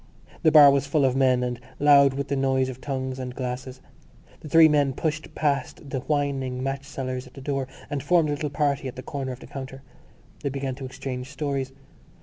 The bar was full of men and loud with the noise of tongues and glasses. The three men pushed past the whining match sellers at the door and formed a little party at the corner of the counter. They began to exchange stories.